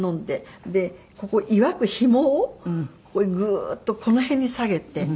でここ結わくひもをここへグーッとこの辺に下げて。